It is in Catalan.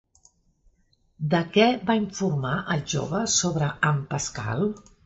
De què va informar el jove sobre en Pascal?